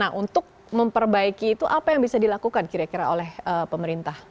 nah untuk memperbaiki itu apa yang bisa dilakukan kira kira oleh pemerintah